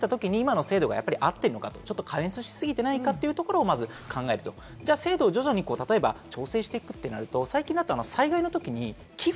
この理念に立ち返ったときに今の制度が合っているのか、ちょっと過熱しすぎていないかというところを考えると、制度を徐々に、例えば調整していくとなると、最近だと災害のときに寄付